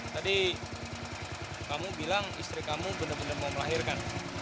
tadi kamu bilang istri kamu bener bener mau melahirkan